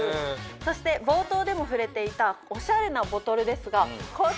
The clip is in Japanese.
そして冒頭でも触れていたオシャレなボトルですが。